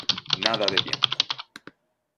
nada de viento.